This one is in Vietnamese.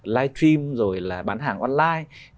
live stream rồi là bán hàng online